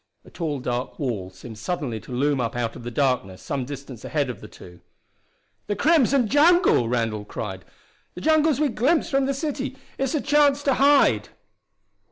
A tall dark wall seemed suddenly to loom up out of the darkness some distance ahead of the two. "The crimson jungle!" Randall cried. "The jungles we glimpsed from the city! It's a chance to hide!"